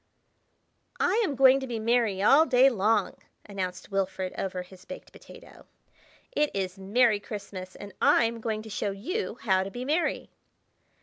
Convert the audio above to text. "I AM going to be merry all day long!" announced Wilfrid over his baked potato. "It is Merry Christmas and I'm going to show you how to be merry."